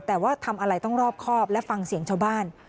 แต่ว่าทำอะไรต้องรอบครอบและฟังเสียงชาวบ้าน